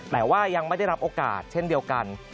แต่ว่ายังไม่ได้รับโอกาสเช่นเดียวกัน